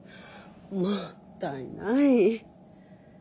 もったいない。